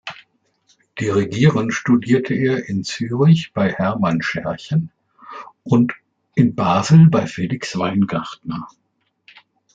Dirigieren studierte er in Zürich bei Hermann Scherchen und in Basel bei Felix Weingartner.